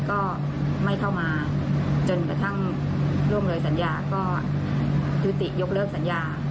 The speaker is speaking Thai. ก็ไม่เข้ามาจนกระทั่งร่วมเลยสัญญาก็ยุติยกเลิกสัญญา